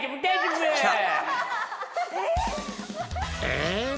えっ？